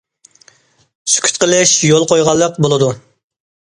سۈكۈت قىلىش يول قويغانلىق بولىدۇ.